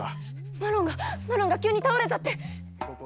マロンがマロンが、急に倒れたって。